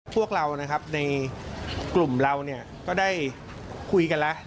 พวกเรานะครับในกลุ่มเราเนี่ยก็ได้คุยกันแล้ว